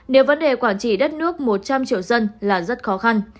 nếu vấn đề quản trị đất nước một trăm linh triệu dân là rất khó khăn